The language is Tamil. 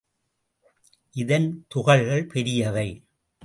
இதன் துகள்கள் பெரியவை.